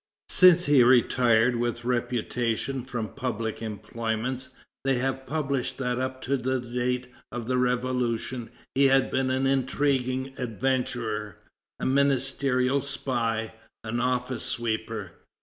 Since he retired with reputation from public employments, they have published that up to the date of the Revolution he had been an intriguing adventurer, a ministerial spy, an office sweeper.